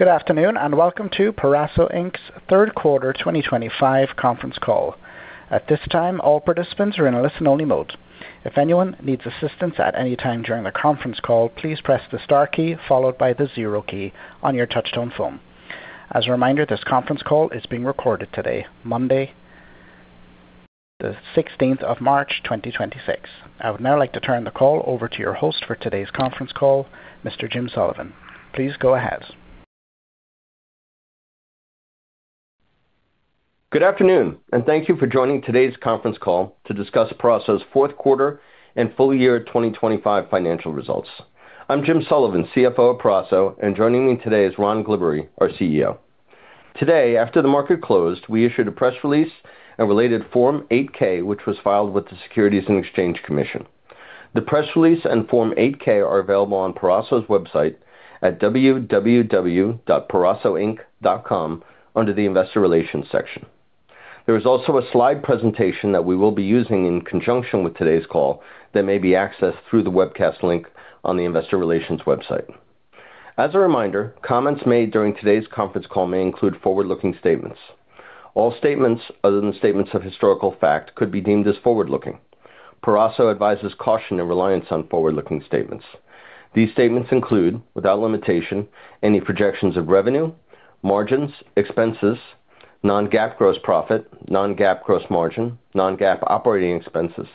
Good afternoon, and welcome to Peraso Inc.'s Q3 2025 conference call. At this time, all participants are in a listen-only mode. If anyone needs assistance at any time during the conference call, please press the star key followed by the zero key on your touchtone phone. As a reminder, this conference call is being recorded today, Monday, the sixteenth of March 2026. I would now like to turn the call over to your host for today's conference call, Mr. Jim Sullivan. Please go ahead. Good afternoon, and thank you for joining today's conference call to discuss Peraso's Q4 and full year 2025 financial results. I'm Jim Sullivan, CFO of Peraso, and joining me today is Ron Glibbery, our CEO. Today, after the market closed, we issued a press release and related Form 8-K, which was filed with the Securities and Exchange Commission. The press release and Form 8-K are available on Peraso's website at www.perasoinc.com under the Investor Relations section. There is also a slide presentation that we will be using in conjunction with today's call that may be accessed through the webcast link on the investor relations website. As a reminder, comments made during today's conference call may include forward-looking statements. All statements other than statements of historical fact could be deemed as forward-looking. Peraso advises caution and reliance on forward-looking statements. These statements include, without limitation, any projections of revenue, margins, expenses, non-GAAP gross profit, non-GAAP gross margin, non-GAAP operating expenses,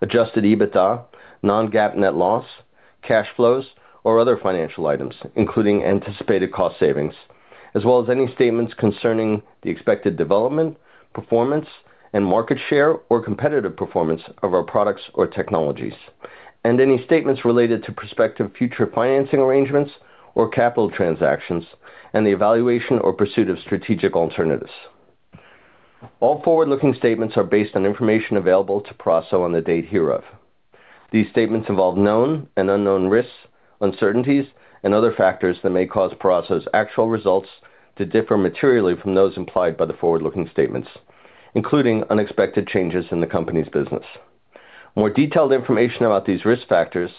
adjusted EBITDA, non-GAAP net loss, cash flows, or other financial items, including anticipated cost savings, as well as any statements concerning the expected development, performance, and market share or competitive performance of our products or technologies, and any statements related to prospective future financing arrangements or capital transactions and the evaluation or pursuit of strategic alternatives. All forward-looking statements are based on information available to Peraso on the date hereof. These statements involve known and unknown risks, uncertainties and other factors that may cause Peraso's actual results to differ materially from those implied by the forward-looking statements, including unexpected changes in the company's business. More detailed information about these risk factors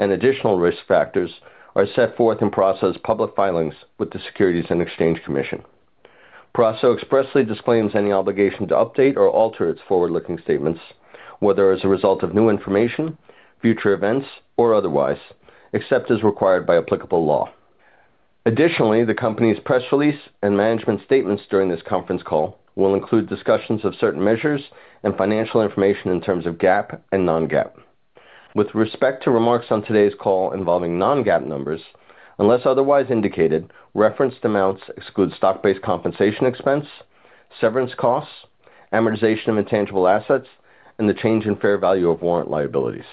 and additional risk factors are set forth in Peraso's public filings with the Securities and Exchange Commission. Peraso expressly disclaims any obligation to update or alter its forward-looking statements, whether as a result of new information, future events or otherwise, except as required by applicable law. Additionally, the company's press release and management statements during this conference call will include discussions of certain measures and financial information in terms of GAAP and non-GAAP. With respect to remarks on today's call involving non-GAAP numbers, unless otherwise indicated, referenced amounts exclude stock-based compensation expense, severance costs, amortization of intangible assets, and the change in fair value of warrant liabilities.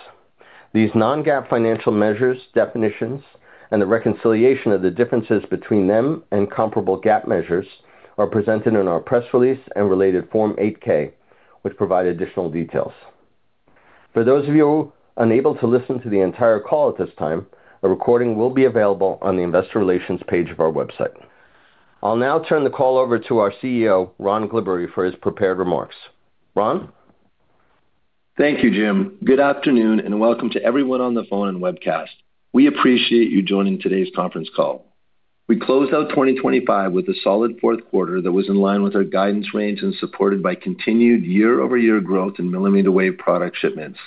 These non-GAAP financial measures, definitions, and the reconciliation of the differences between them and comparable GAAP measures are presented in our press release and related Form 8-K, which provide additional details. For those of you unable to listen to the entire call at this time, a recording will be available on the investor relations page of our website. I'll now turn the call over to our CEO, Ron Glibbery, for his prepared remarks. Ron? Thank you, Jim. Good afternoon, and welcome to everyone on the phone and webcast. We appreciate you joining today's conference call. We closed out 2025 with a solid Q4 that was in line with our guidance range and supported by continued year-over-year growth in millimeter wave product shipments.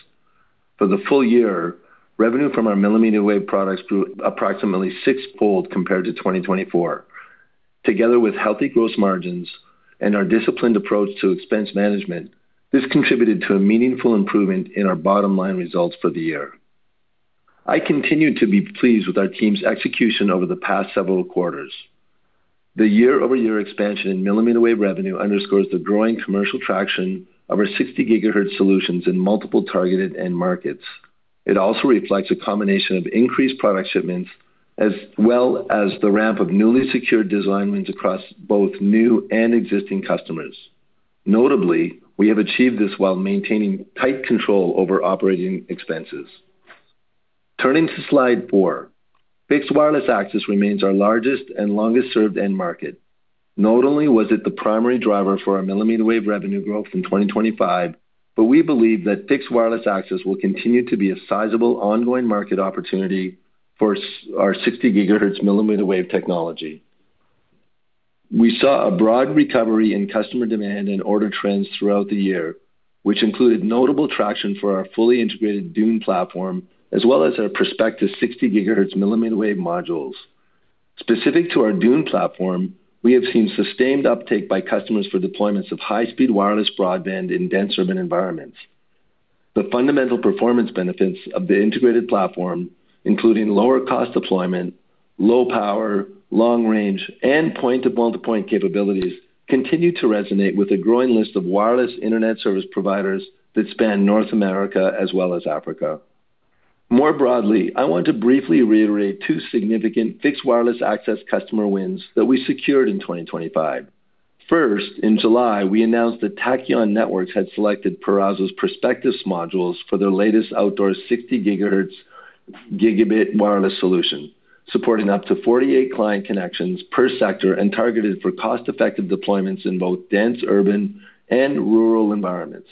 For the full year, revenue from our millimeter wave products grew approximately sixfold compared to 2024. Together with healthy gross margins and our disciplined approach to expense management, this contributed to a meaningful improvement in our bottom-line results for the year. I continue to be pleased with our team's execution over the past several quarters. The year-over-year expansion in millimeter wave revenue underscores the growing commercial traction of our 60 GHz solutions in multiple targeted end markets. It also reflects a combination of increased product shipments as well as the ramp of newly secured design wins across both new and existing customers. Notably, we have achieved this while maintaining tight control over operating expenses. Turning to slide four. Fixed wireless access remains our largest and longest-served end market. Not only was it the primary driver for our millimeter wave revenue growth in 2025, but we believe that fixed wireless access will continue to be a sizable ongoing market opportunity for our 60 GHz millimeter wave technology. We saw a broad recovery in customer demand and order trends throughout the year, which included notable traction for our fully integrated DUNE platform as well as our Perspectus 60 GHz millimeter wave modules. Specific to our DUNE platform, we have seen sustained uptake by customers for deployments of high-speed wireless broadband in dense urban environments. The fundamental performance benefits of the integrated platform, including lower cost deployment, low power, long range, and point-to-multipoint capabilities, continue to resonate with a growing list of wireless internet service providers that span North America as well as Africa. More broadly, I want to briefly reiterate two significant fixed wireless access customer wins that we secured in 2025. First, in July, we announced that Tachyon Networks had selected Peraso's Perspectus modules for their latest outdoor 60 GHz gigabit wireless solution, supporting up to 48 client connections per sector and targeted for cost-effective deployments in both dense urban and rural environments.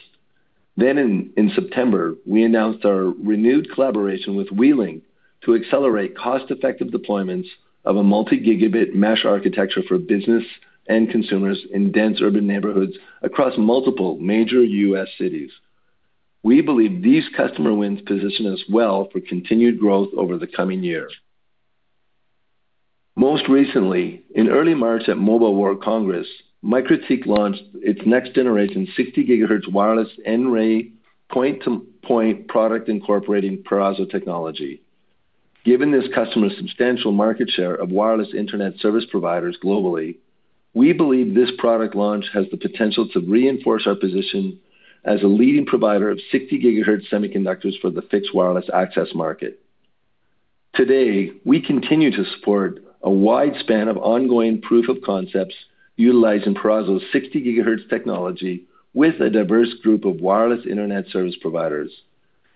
In September, we announced our renewed collaboration with Milliwave to accelerate cost-effective deployments of a multi-gigabit mesh architecture for business and consumers in dense urban neighborhoods across multiple major U.S. cities. We believe these customer wins position us well for continued growth over the coming years. Most recently, in early March at Mobile World Congress, MikroTik launched its next-generation 60 GHz wireless nRAY point-to-point product incorporating Peraso technology. Given this customer's substantial market share of wireless internet service providers globally, we believe this product launch has the potential to reinforce our position as a leading provider of 60 GHz semiconductors for the fixed wireless access market. Today, we continue to support a wide span of ongoing proof of concepts utilizing Peraso's 60 GHz technology with a diverse group of wireless internet service providers.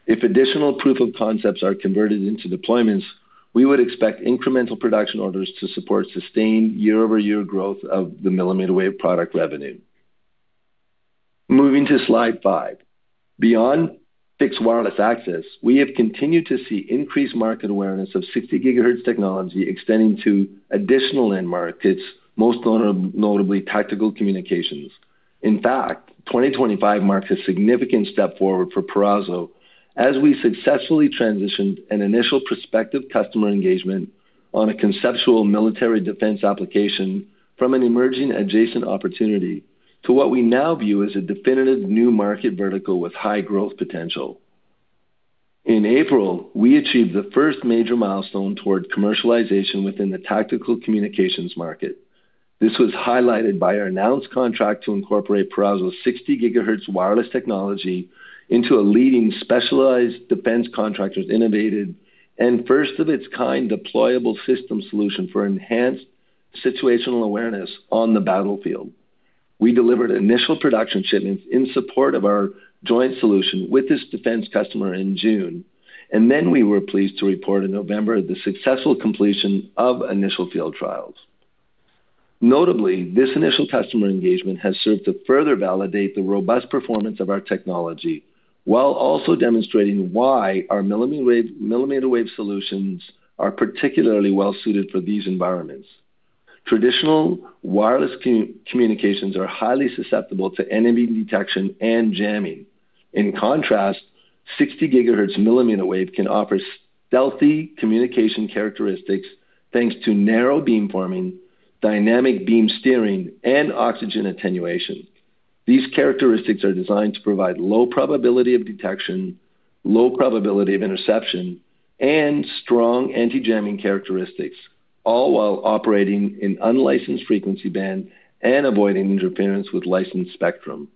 If additional proof of concepts are converted into deployments, we would expect incremental production orders to support sustained year-over-year growth of the millimeter-wave product revenue. Moving to slide five. Beyond fixed wireless access, we have continued to see increased market awareness of 60 GHz technology extending to additional end markets, most notably tactical communications. In fact, 2025 marked a significant step forward for Peraso as we successfully transitioned an initial prospective customer engagement on a conceptual military defense application from an emerging adjacent opportunity to what we now view as a definitive new market vertical with high growth potential. In April, we achieved the first major milestone toward commercialization within the tactical communications market. This was highlighted by our announced contract to incorporate Peraso's 60 GHz wireless technology into a leading specialized defense contractor's innovated and first of its kind deployable system solution for enhanced situational awareness on the battlefield. We delivered initial production shipments in support of our joint solution with this defense customer in June, and then we were pleased to report in November the successful completion of initial field trials. Notably, this initial customer engagement has served to further validate the robust performance of our technology while also demonstrating why our millimeter wave solutions are particularly well suited for these environments. Traditional wireless communications are highly susceptible to enemy detection and jamming. In contrast,60GHz millimeter wave can offer stealthy communication characteristics thanks to narrow beamforming, dynamic beam steering, and oxygen attenuation. These characteristics are designed to provide low probability of detection, low probability of interception, and strong anti-jamming characteristics, all while operating in unlicensed frequency band and avoiding interference with licensed spectrum.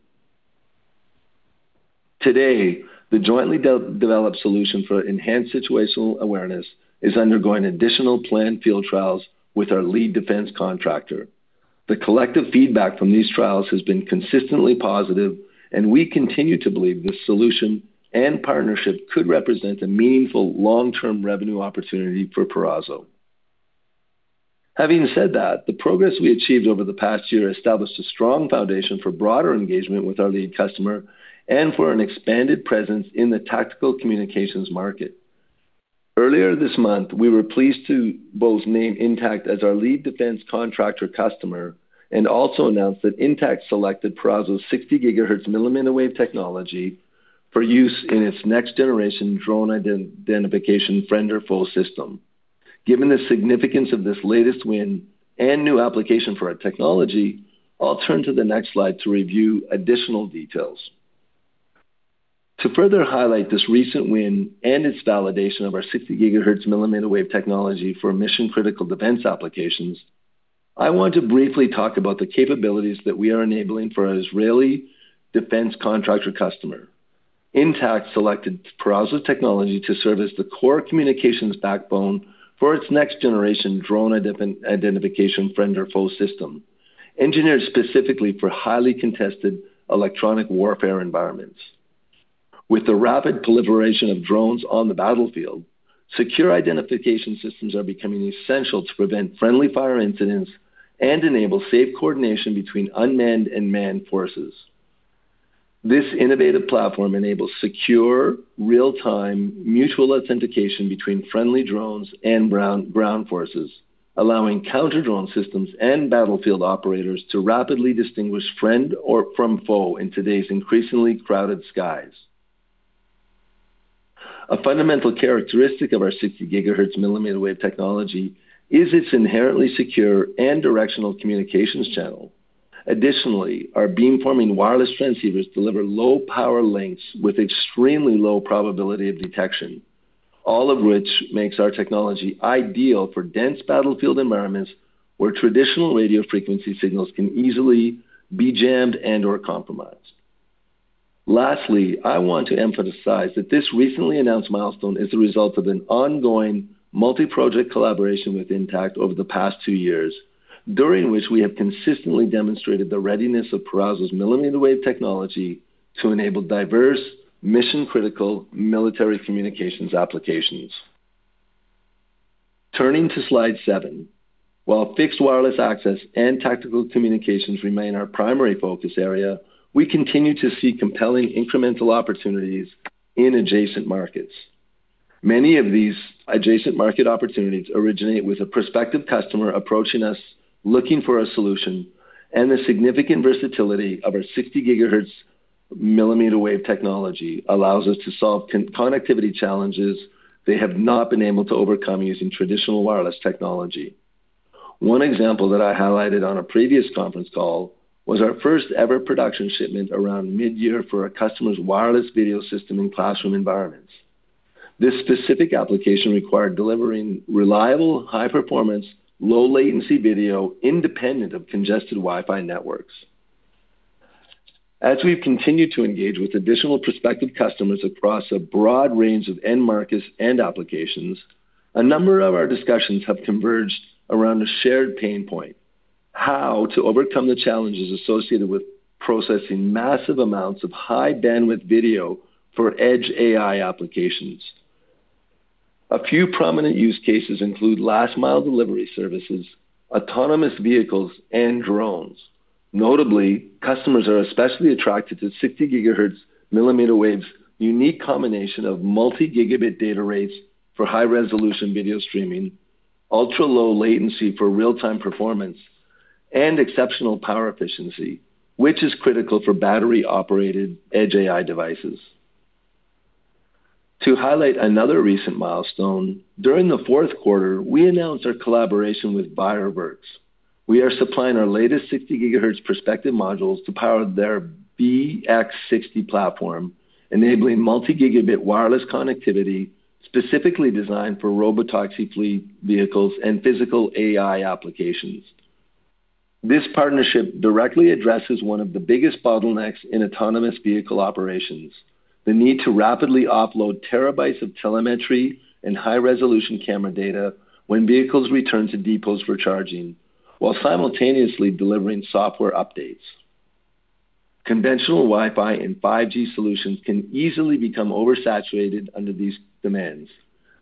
Today, the jointly co-developed solution for enhanced situational awareness is undergoing additional planned field trials with our lead defense contractor. The collective feedback from these trials has been consistently positive, and we continue to believe this solution and partnership could represent a meaningful long-term revenue opportunity for Peraso. Having said that, the progress we achieved over the past year established a strong foundation for broader engagement with our lead customer and for an expanded presence in the tactical communications market. Earlier this month, we were pleased to both names INTACT as our lead defense contractor customer and also announced that INTACT selected Peraso's 60 GHz millimeter wave technology for use in its next-generation drone identification friend-or-foe system. Given the significance of this latest win and new application for our technology, I'll turn to the next slide to review additional details. To further highlight this recent win and its validation of our 60 GHz millimeter wave technology for mission-critical defense applications, I want to briefly talk about the capabilities that we are enabling for our Israeli defense contractor customer. INTACT selected Peraso's technology to serve as the core communications backbone for its next-generation drone identification friend-or-foe system, engineered specifically for highly contested electronic warfare environments. With the rapid proliferation of drones on the battlefield, secure identification systems are becoming essential to prevent friendly fire incidents and enable safe coordination between unmanned and manned forces. This innovative platform enables secure, real-time mutual authentication between friendly drones and ground forces, allowing counter-drone systems and battlefield operators to rapidly distinguish friend from foe in today's increasingly crowded skies. A fundamental characteristic of our 60 GHz millimeter wave technology is its inherently secure and directional communications channel. Additionally, our beamforming wireless transceivers deliver low-power links with extremely low probability of detection, all of which makes our technology ideal for dense battlefield environments where traditional radio frequency signals can easily be jammed and/or compromised. Lastly, I want to emphasize that this recently announced milestone is the result of an ongoing multi-project collaboration with INTACT over the past two years, during which we have consistently demonstrated the readiness of Peraso's millimeter wave technology to enable diverse mission-critical military communications applications. Turning to slide seven. While fixed wireless access and tactical communications remain our primary focus area, we continue to see compelling incremental opportunities in adjacent markets. Many of these adjacent market opportunities originate with a prospective customer approaching us looking for a solution, and the significant versatility of our 60 GHz millimeter wave technology allows us to solve connectivity challenges they have not been able to overcome using traditional wireless technology. One example that I highlighted on a previous conference call was our first-ever production shipment around mid-year for our customer's wireless video system in classroom environments. This specific application required delivering reliable, high-performance, low-latency video independent of congested Wi-Fi networks. As we've continued to engage with additional prospective customers across a broad range of end markets and applications, a number of our discussions have converged around a shared pain point: how to overcome the challenges associated with processing massive amounts of high-bandwidth video for edge AI applications. A few prominent use cases include last mile delivery services, autonomous vehicles, and drones. Notably, customers are especially attracted to 60 GHz millimeter wave's unique combination of multi-gigabit data rates for high-resolution video streaming, ultra-low latency for real-time performance, and exceptional power efficiency, which is critical for battery-operated edge AI devices. To highlight another recent milestone, during the Q4, we announced our collaboration with BioWorks. We are supplying our latest 60 GHz Perspectus modules to power their VX60 platform, enabling multi-gigabit wireless connectivity specifically designed for robotaxi fleet vehicles and Physical AI applications. This partnership directly addresses one of the biggest bottlenecks in autonomous vehicle operations, the need to rapidly upload terabytes of telemetry and high-resolution camera data when vehicles return to depots for charging, while simultaneously delivering software updates. Conventional Wi-Fi and 5G solutions can easily become oversaturated under these demands.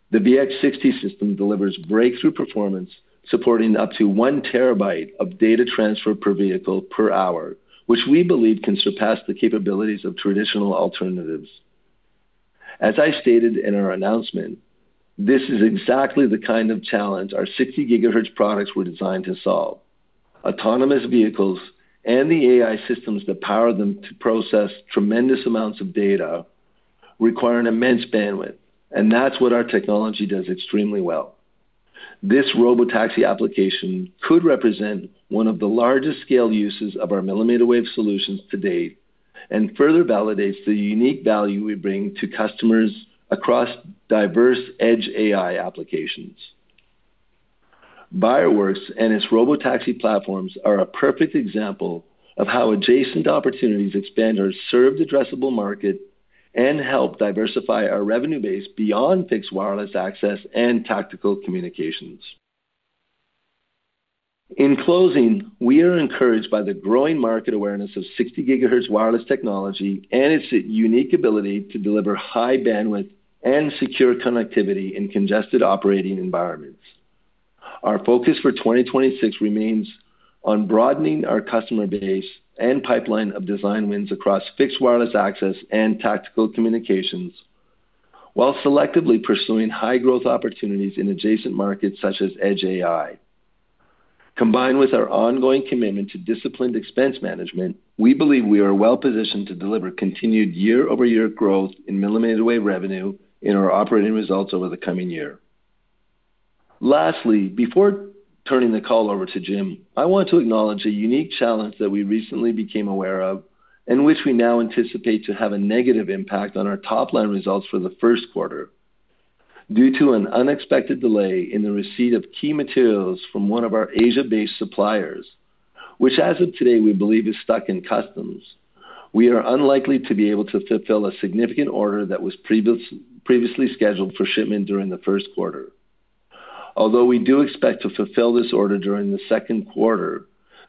The VX60 system delivers breakthrough performance, supporting up to 1 terabyte of data transfer per vehicle per hour, which we believe can surpass the capabilities of traditional alternatives. As I stated in our announcement, this is exactly the kind of challenge our 60 GHz products were designed to solve. Autonomous vehicles and the AI systems that power them to process tremendous amounts of data require an immense bandwidth, and that's what our technology does extremely well. This robotaxi application could represent one of the largest scale uses of our millimeter wave solutions to date and further validates the unique value we bring to customers across diverse edge AI applications. Virewirx and its robotaxi platforms are a perfect example of how adjacent opportunities expand our served addressable market and help diversify our revenue base beyond fixed wireless access and tactical communications. In closing, we are encouraged by the growing market awareness of 60 GHz wireless technology and its unique ability to deliver high bandwidth and secure connectivity in congested operating environments. Our focus for 2026 remains on broadening our customer base and pipeline of design wins across Fixed Wireless Access and tactical communications, while selectively pursuing high-growth opportunities in adjacent markets such as edge AI. Combined with our ongoing commitment to disciplined expense management, we believe we are well-positioned to deliver continued year-over-year growth in millimeter wave revenue in our operating results over the coming year. Lastly, before turning the call over to Jim, I want to acknowledge a unique challenge that we recently became aware of and which we now anticipate to have a negative impact on our top-line results for the Q1. Due to an unexpected delay in the receipt of key materials from one of our Asia-based suppliers, which as of today we believe is stuck in customs, we are unlikely to be able to fulfill a significant order that was previously scheduled for shipment during the Q1. Although we do expect to fulfill this order during the Q2,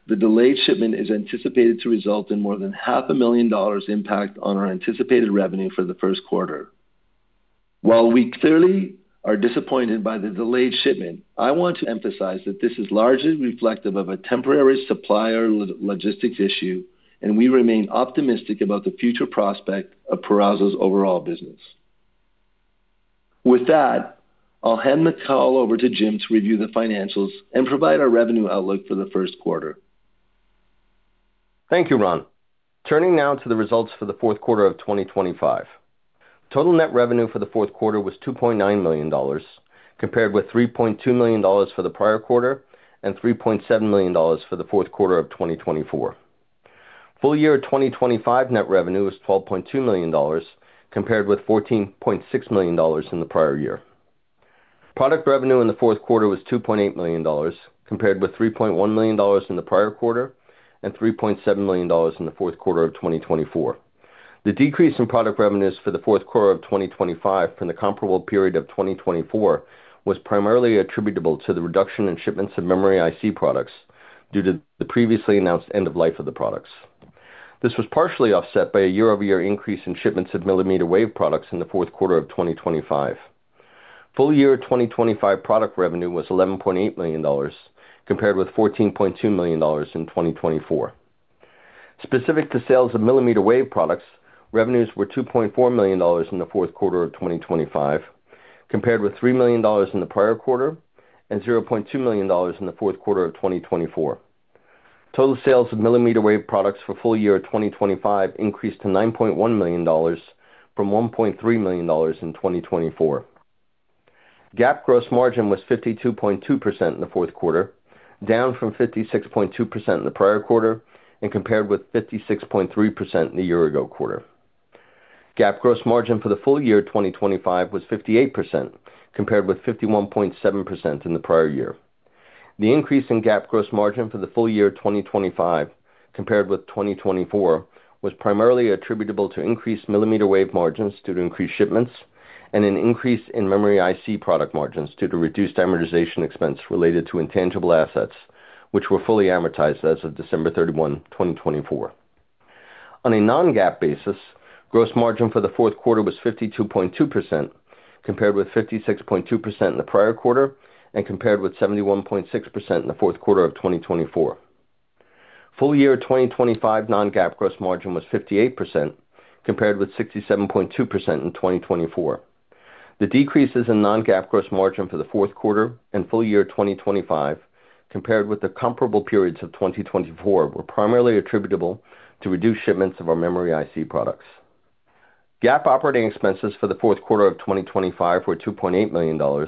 the delayed shipment is anticipated to result in more than half a million dollars impact on our anticipated revenue for the Q1. While we clearly are disappointed by the delayed shipment, I want to emphasize that this is largely reflective of a temporary supplier logistics issue, and we remain optimistic about the future prospect of Peraso's overall business. With that, I'll hand the call over to Jim to review the financials and provide our revenue outlook for the Q1. Thank you, Ron. Turning now to the results for the Q4 of 2025. Total net revenue for the Q4 was $2.9 million, compared with $3.2 million for the prior quarter and $3.7 million for the Q4 of 2024. Full year 2025 net revenue was $12.2 million, compared with $14.6 million in the prior year. Product revenue in the Q4 was $2.8 million, compared with $3.1 million in the prior quarter and $3.7 million in the Q4 of 2024. The decrease in product revenues for the Q4 of 2025 from the comparable period of 2024 was primarily attributable to the reduction in shipments of memory IC products due to the previously announced end of life of the products. This was partially offset by a year-over-year increase in shipments of millimeter wave products in the Q4 of 2025. Full year 2025 product revenue was $11.8 million compared with $14.2 million in 2024. Specific to sales of millimeter wave products, revenues were $2.4 million in the Q4 of 2025 compared with $3 million in the prior quarter and $0.2 million in the Q4 of 2024. Total sales of millimeter wave products for full year 2025 increased to $9.1 million from $1.3 million in 2024. GAAP gross margin was 52.2% in the Q4, down from 56.2% in the prior quarter and compared with 56.3% in the year ago quarter. GAAP gross margin for the full year 2025 was 58% compared with 51.7% in the prior year. The increase in GAAP gross margin for the full year 2025 compared with 2024 was primarily attributable to increased millimeter wave margins due to increased shipments and an increase in memory IC product margins due to reduced amortization expense related to intangible assets, which were fully amortized as of December 31st, 2024. On a non-GAAP basis, gross margin for the Q4 was 52.2% compared with 56.2% in the prior quarter and compared with 71.6% in the Q4 of 2024. Full year 2025 non-GAAP gross margin was 58% compared with 67.2% in 2024. The decreases in non-GAAP gross margin for the Q4 and full year 2025 compared with the comparable periods of 2024 were primarily attributable to reduced shipments of our memory IC products. GAAP operating expenses for the Q4 of 2025 were $2.8 million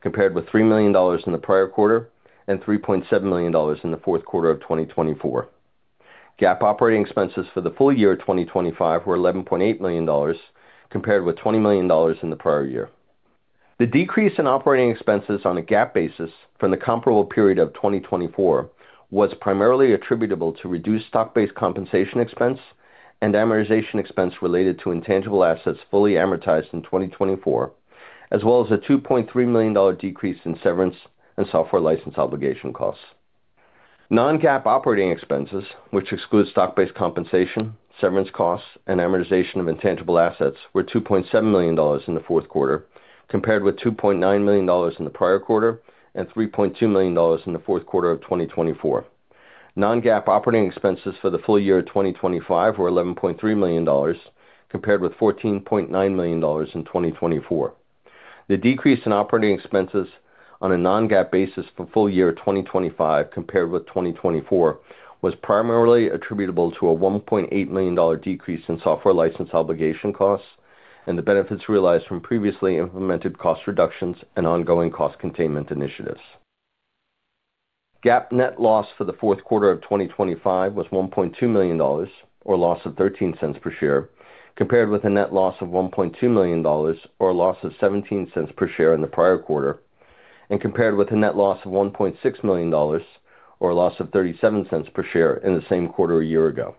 compared with $3 million in the prior quarter and $3.7 million in the Q4 of 2024. GAAP operating expenses for the full year 2025 were $11.8 million compared with $20 million in the prior year. The decrease in operating expenses on a GAAP basis from the comparable period of 2024 was primarily attributable to reduced stock-based compensation expense and amortization expense related to intangible assets fully amortized in 2024, as well as a $2.3 million decrease in severance and software license obligation costs. Non-GAAP operating expenses, which excludes stock-based compensation, severance costs, and amortization of intangible assets, were $2.7 million in the Q4 compared with $2.9 million in the prior quarter and $3.2 million in the Q4 of 2024. Non-GAAP operating expenses for the full year 2025 were $11.3 million compared with $14.9 million in 2024. The decrease in operating expenses on a non-GAAP basis for full year 2025 compared with 2024 was primarily attributable to a $1.8 million decrease in software license obligation costs and the benefits realized from previously implemented cost reductions and ongoing cost containment initiatives. GAAP net loss for the Q4 of 2025 was $1.2 million or a loss of $0.13 per share, compared with a net loss of $1.2 million or a loss of $0.17 per share in the prior quarter, and compared with a net loss of $1.6 million or a loss of $0.37 per share in the same quarter a year ago.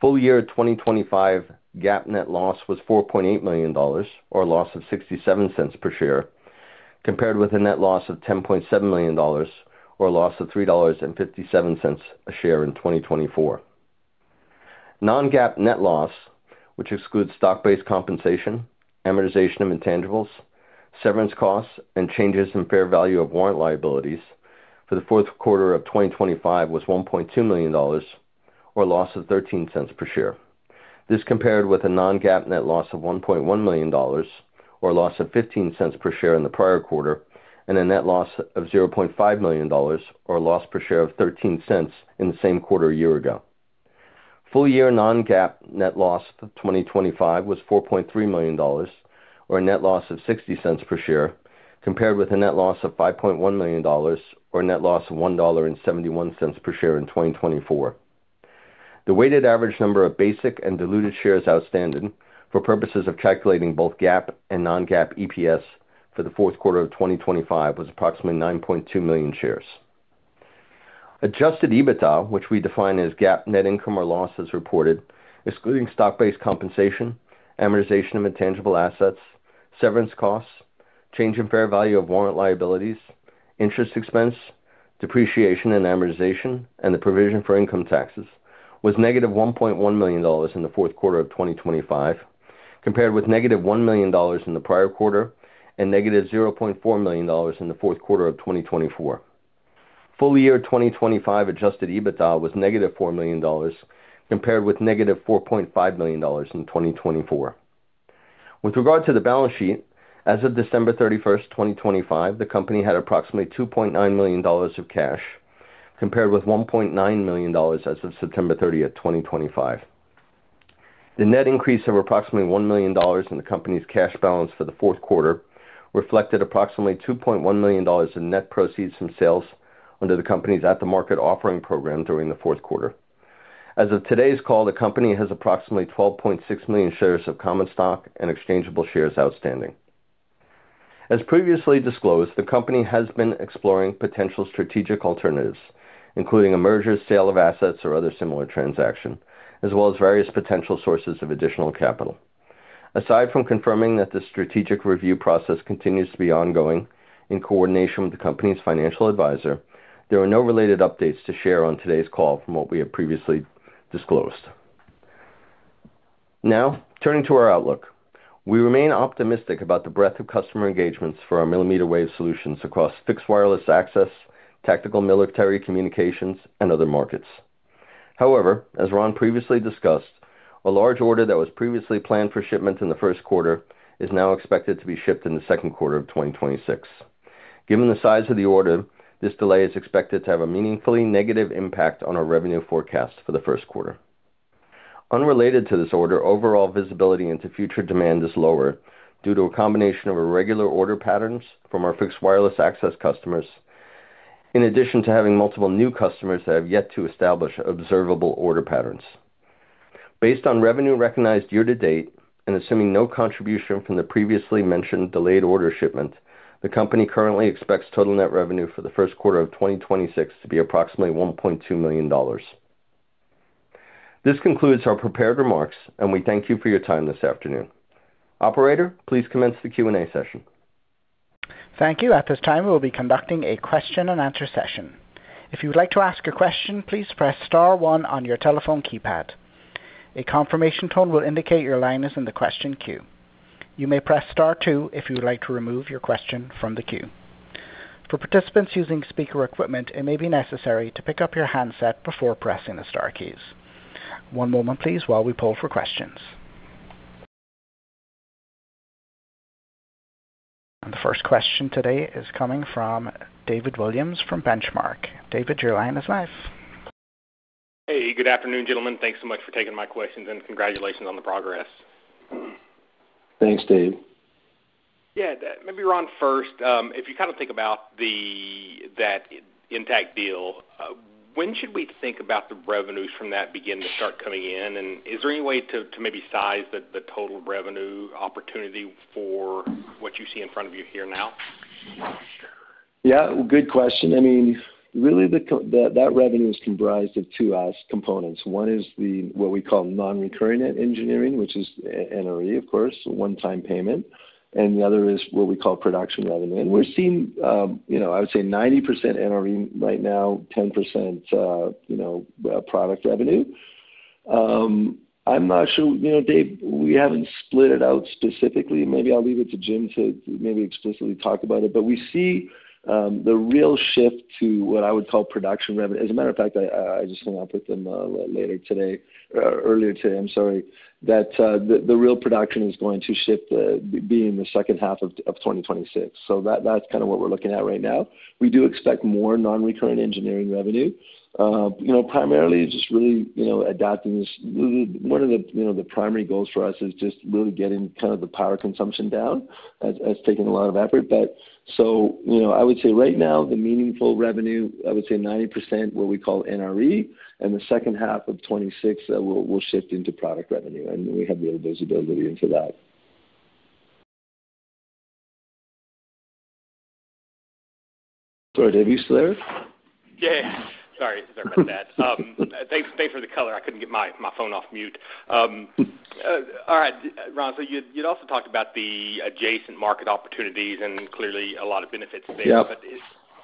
Full year 2025 GAAP net loss was $4.8 million or a loss of $0.67 per share, compared with a net loss of $10.7 million or a loss of $3.57 per share in 2024. Non-GAAP net loss, which excludes stock-based compensation, amortization of intangibles, severance costs, and changes in fair value of warrant liabilities for the Q4 of 2025 was $1.2 million or a loss of $0.13 per share. This compared with a non-GAAP net loss of $1.1 million or a loss of $0.15 per share in the prior quarter, and a net loss of $0.5 million or a loss per share of $0.13 in the same quarter a year ago. Full year non-GAAP net loss of 2025 was $4.3 million or a net loss of $0.60 per share, compared with a net loss of $5.1 million or a net loss of $1.71 per share in 2024. The weighted average number of basic and diluted shares outstanding for purposes of calculating both GAAP and non-GAAP EPS for the Q4 of 2025 was approximately 9.2 million shares. Adjusted EBITDA, which we define as GAAP net income or loss as reported, excluding stock-based compensation, amortization of intangible assets, severance costs, change in fair value of warrant liabilities, interest expense, depreciation and amortization, and the provision for income taxes, was -$1.1 million in the Q4 of 2025, compared with -$1 million in the prior quarter and -$0.4 million in the Q4 of 2024. Full year 2025 adjusted EBITDA was -$4 million compared with -$4.5 million in 2024. With regard to the balance sheet, as of December 31st, 2025, the company had approximately $2.9 million of cash compared with $1.9 million as of September 30th, 2025. The net increase of approximately $1 million in the company's cash balance for the Q4 reflected approximately $2.1 million in net proceeds from sales under the company's at-the-market offering program during the Q4. As of today's call, the company has approximately 12.6 million shares of common stock and exchangeable shares outstanding. As previously disclosed, the company has been exploring potential strategic alternatives, including a merger, sale of assets, or other similar transaction, as well as various potential sources of additional capital. Aside from confirming that the strategic review process continues to be ongoing in coordination with the company's financial advisor, there are no related updates to share on today's call from what we have previously disclosed. Now turning to our outlook. We remain optimistic about the breadth of customer engagements for our millimeter wave solutions across fixed wireless access, tactical military communications, and other markets. However, as Ron previously discussed, a large order that was previously planned for shipment in the Q1 is now expected to be shipped in the Q2 of 2026. Given the size of the order, this delay is expected to have a meaningfully negative impact on our revenue forecast for the Q1. Unrelated to this order, overall visibility into future demand is lower due to a combination of irregular order patterns from our Fixed Wireless Access customers, in addition to having multiple new customers that have yet to establish observable order patterns. Based on revenue recognized year to date and assuming no contribution from the previously mentioned delayed order shipment, the company currently expects total net revenue for the Q1 of 2026 to be approximately $1.2 million. This concludes our prepared remarks, and we thank you for your time this afternoon. Operator, please commence the Q&A session. Thank you. At this time, we will be conducting a question and answer session. If you would like to ask a question, please press star one on your telephone keypad. A confirmation tone will indicate your line is in the question queue. You may press star two if you would like to remove your question from the queue. For participants using speaker equipment, it may be necessary to pick up your handset before pressing the star keys. One moment please while we poll for questions. The first question today is coming from David Williams from The Benchmark Company. David, your line is live. Hey, good afternoon, gentlemen. Thanks so much for taking my questions and congratulations on the progress. Thanks, David. Yeah, maybe Ron first. If you kind of think about that INTACT deal, when should we think about the revenues from that beginning to start coming in? Is there any way to maybe size the total revenue opportunity for what you see in front of you here now? Yeah, good question. I mean, really, that revenue is comprised of two components. One is the, what we call non-recurring engineering, which is NRE, of course, a one-time payment, and the other is what we call production revenue. We're seeing, you know, I would say 90% NRE right now, 10%, you know, product revenue. I'm not sure. You know, David, we haven't split it out specifically. Maybe I'll leave it to Jim to maybe explicitly talk about it. We see, the real shift to what I would call production revenue. As a matter of fact, I just hung up with them, earlier today, I'm sorry, that the real production is going to shift, be in the second half of 2026. That, that's kind of what we're looking at right now. We do expect more non-recurring engineering revenue. You know, primarily just really, you know, adapting this. One of the, you know, the primary goals for us is just really getting kind of the power consumption down. That's taken a lot of effort. You know, I would say right now, the meaningful revenue, I would say 90% what we call NRE, and the second half of 2026, that will shift into product revenue, and we have real visibility into that. Sorry, David, you still there? Yeah. Sorry about that. Thanks for the color. I couldn't get my phone off mute. All right, Ron. You'd also talked about the adjacent market opportunities, and clearly a lot of benefits there.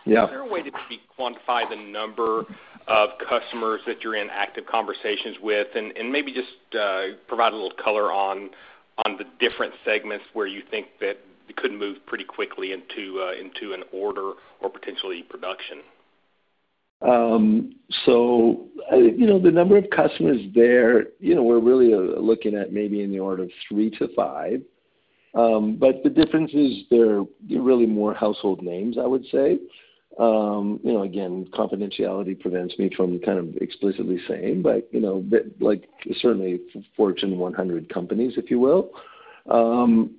Yeah. Is there a way to maybe quantify the number of customers that you're in active conversations with and maybe just provide a little color on the different segments where you think that you could move pretty quickly into an order or potentially production? You know, the number of customers there, you know, we're really looking at maybe in the order of three to five. But the difference is they're really more household names, I would say. You know, again, confidentiality prevents me from kind of explicitly saying, but you know, like certainly Fortune 100 companies, if you will.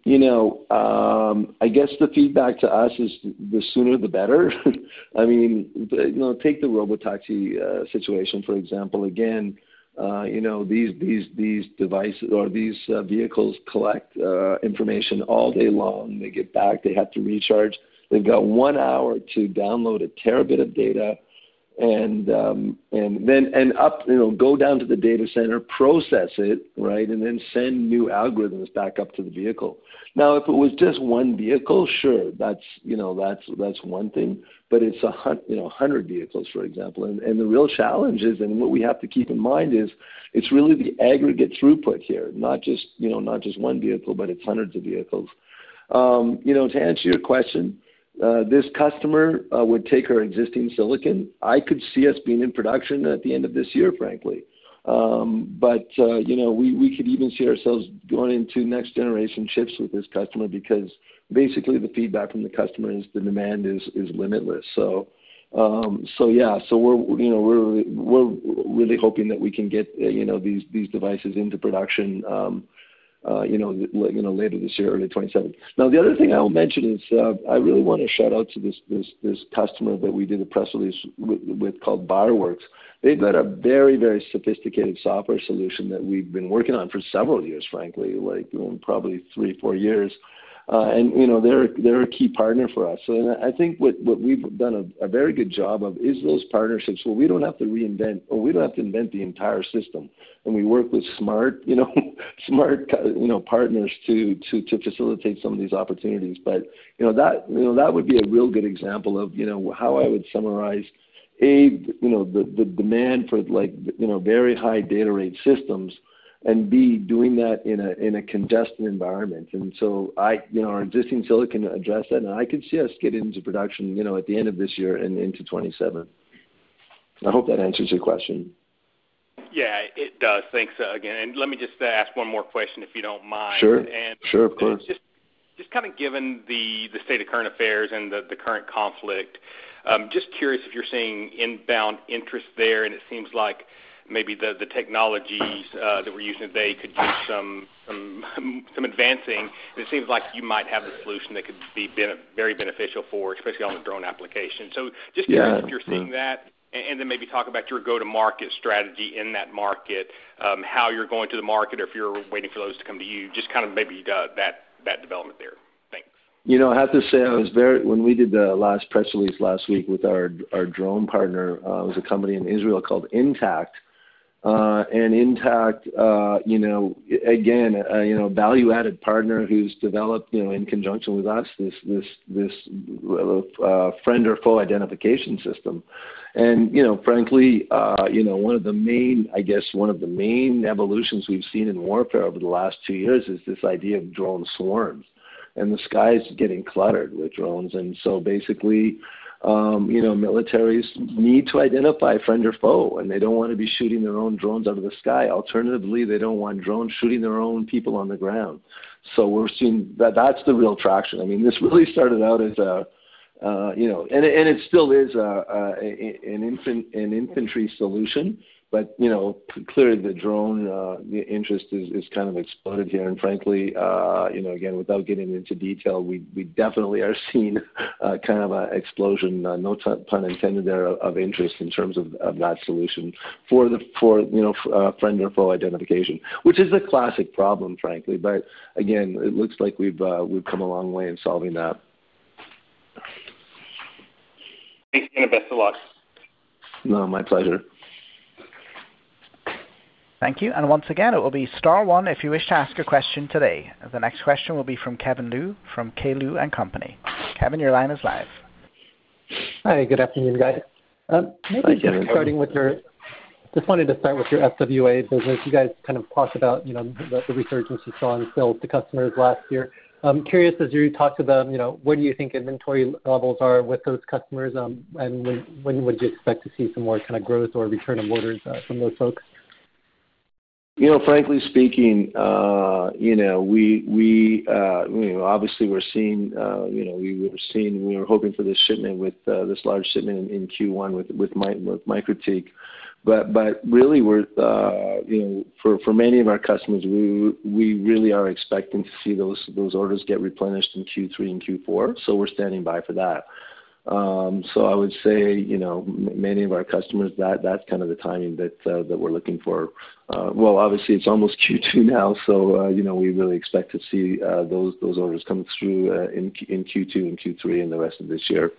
You know, I guess the feedback to us is the sooner, the better. I mean, you know, take the robotaxi situation, for example. Again, you know, these devices or these vehicles collect information all day long. They get back, they have to recharge. They've got one hour to upload a terabit of data and then upload, you know, go down to the data center, process it, right, and then send new algorithms back up to the vehicle. Now, if it was just one vehicle, sure, that's, you know, one thing, but it's 100 vehicles, for example. The real challenge is, and what we have to keep in mind is it's really the aggregate throughput here, not just, you know, not just one vehicle, but it's hundreds of vehicles. You know, to answer your question, this customer would take our existing silicon. I could see us being in production at the end of this year, frankly. You know, we could even see ourselves going into next generation chips with this customer because basically the feedback from the customer is the demand is limitless. So yeah. We're really hoping that we can get these devices into production later this year or in 2027. Now, the other thing I'll mention is I really want to shout out to this customer that we did a press release with called BioWorks. They've got a very sophisticated software solution that we've been working on for several years, frankly, like probably three, four years. And you know, they're a key partner for us. I think what we've done a very good job of is those partnerships where we don't have to reinvent or we don't have to invent the entire system, and we work with smart you know, smart partners to facilitate some of these opportunities. You know, that would be a real good example of, you know, how I would summarize, A, you know, the demand for like, you know, very high data rate systems, and B, doing that in a congested environment. You know, our existing silicon addresses, and I could see us get into production, you know, at the end of this year and into 2027. I hope that answers your question. Yeah, it does. Thanks again. Let me just ask one more question, if you don't mind? Sure. Sure, of course. Just kinda given the state of current affairs and the current conflict, just curious if you're seeing inbound interest there, and it seems like maybe the technologies that we're using today could do some advancing. It seems like you might have a solution that could be very beneficial for, especially on the drone application. Just Yeah. Curious if you're seeing that, and then maybe talk about your go-to-market strategy in that market, how you're going to the market or if you're waiting for those to come to you, just kind of maybe that development there. Thanks. You know, I have to say, when we did the last press release last week with our drone partner, it was a company in Israel called INTACT. INTACT, you know, again, you know, value-added partner who's developed, you know, in conjunction with us, this friend-or-foe identification system. You know, frankly, you know, one of the main evolutions we've seen in warfare over the last two years is this idea of drone swarms, and the sky is getting cluttered with drones. Basically, you know, militaries need to identify friend-or-foe, and they don't wanna be shooting their own drones out of the sky. Alternatively, they don't want drones shooting their own people on the ground. We're seeing that that's the real traction. I mean, this really started out as an IFF solution. It still is. Clearly the drone interest is kind of exploded here. Frankly, again, without getting into detail, we definitely are seeing kind of an explosion, no pun intended there, of interest in terms of that solution for the friend or foe identification, which is a classic problem, frankly. Again, it looks like we've come a long way in solving that. Thanks, and best of luck. No, my pleasure. Thank you. Once again, it will be star one if you wish to ask a question today. The next question will be from Kevin Liu, from KLU & Co. Kevin, your line is live. Hi, good afternoon, guys. Thank you. Just wanted to start with your FWA, so as you guys kind of talked about, you know, the resurgence you saw in sales to customers last year. I'm curious, as you talk about, you know, where do you think inventory levels are with those customers, and when would you expect to see some more kind of growth or return of orders from those folks? You know, frankly speaking, you know, obviously we're seeing, you know, we were hoping for this large shipment in Q1 with MikroTik. Really we're, you know, for many of our customers, we really are expecting to see those orders get replenished in Q3 and Q4, so we're standing by for that. I would say, you know, many of our customers, that's kind of the timing that we're looking for. Well, obviously, it's almost Q2 now, you know, we really expect to see those orders come through in Q2 and Q3 and the rest of this year.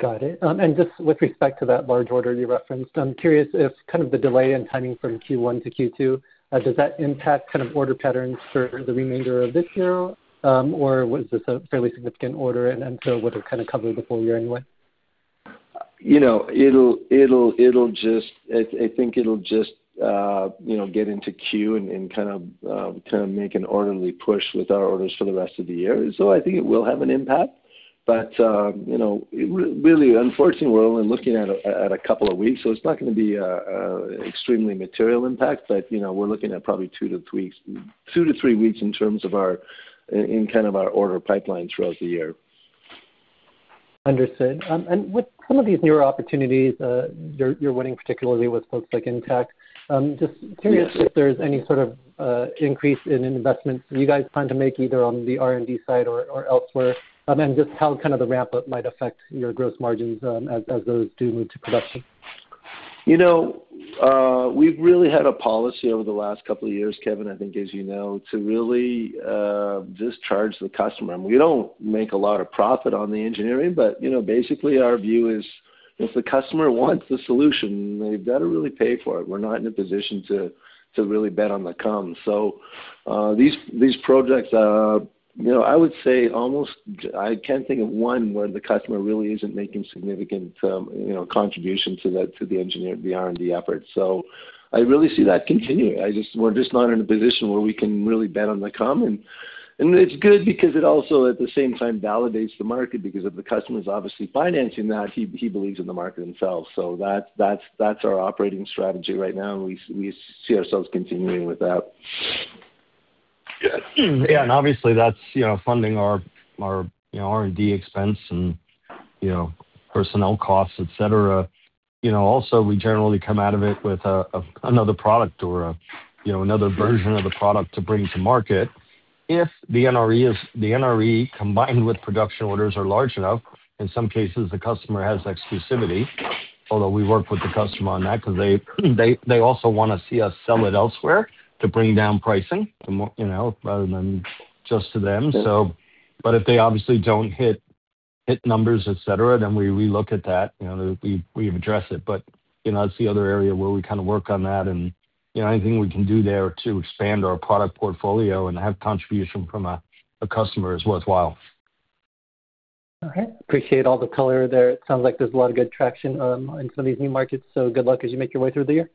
Got it. Just with respect to that large order you referenced, I'm curious if kind of the delay in timing from Q1 to Q2 does that impact kind of order patterns for the remainder of this year? Was this a fairly significant order and then so would have kind of covered the full year anyway? You know, I think it'll just, you know, get into queue and kind of make an orderly push with our orders for the rest of the year. I think it will have an impact. You know, really unfortunately, we're only looking at a couple of weeks, so it's not gonna be an extremely material impact. You know, we're looking at probably two to three weeks in terms of our order pipeline throughout the year. Understood. With some of these newer opportunities, you're winning, particularly with folks like InTACT, just curious if there's any sort of increase in investment you guys plan to make either on the R&D side or elsewhere, and just how kind of the ramp-up might affect your gross margins, as those do move to production. You know, we've really had a policy over the last couple of years, Kevin, I think as you know, to really just charge the customer. We don't make a lot of profit on the engineering, but, you know, basically our view is, if the customer wants the solution, they better really pay for it. We're not in a position to really bet on the come. These projects are, you know, I would say almost. I can't think of one where the customer really isn't making significant, you know, contribution to the engineering, the R&D effort. I really see that continuing. We're just not in a position where we can really bet on the come. It's good because it also, at the same time, validates the market, because if the customer's obviously financing that, he believes in the market himself. That's our operating strategy right now, and we see ourselves continuing with that. Good. Obviously that's funding our R&D expense and personnel costs, et cetera. We generally come out of it with another product or another version of the product to bring to market. If the NRE combined with production orders are large enough, in some cases, the customer has exclusivity, although we work with the customer on that 'cause they also wanna see us sell it elsewhere to bring down pricing rather than just to them. But if they obviously don't hit numbers, et cetera, then we relook at that. We address it. You know, that's the other area where we kinda work on that and, you know, anything we can do there to expand our product portfolio and have contribution from a customer is worthwhile. Okay. Appreciate all the color there. It sounds like there's a lot of good traction in some of these new markets, so good luck as you make your way through the year.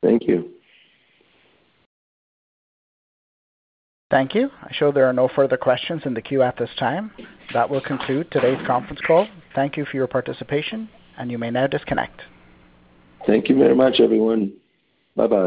Thank you. Thank you. I see there are no further questions in the queue at this time. That will conclude today's conference call. Thank you for your participation, and you may now disconnect. Thank you very much, everyone. Bye-bye.